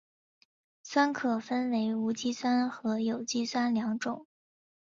酸可分为无机酸和有机酸两种。